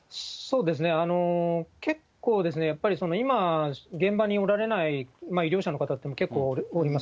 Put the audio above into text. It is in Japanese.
結構ですね、やっぱり今、現場におられない医療者の方も結構おります。